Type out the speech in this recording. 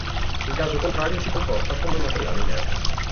In caso contrario si comporta come un materiale inerte.